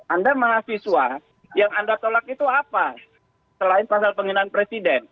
anda mahasiswa yang anda tolak itu apa selain pasal penghinaan presiden